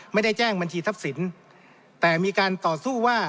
ไม่ได้แจ้งบัญชีทรัพย์สินแต่มีการต่อสู้ว่า